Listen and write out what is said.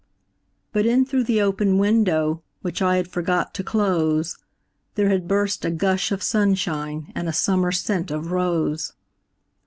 But in through the open window, Which I had forgot to close, There had burst a gush of sunshineAnd a summer scent of rose.